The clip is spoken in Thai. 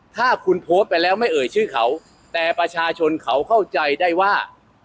ถ้าคุณโพสต์ไปแล้วไม่เอ่ยชื่อเขาแต่ประชาชนเขาเข้าใจได้ว่า